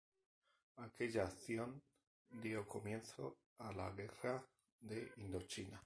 Aquella acción dio comienzo a la Guerra de Indochina.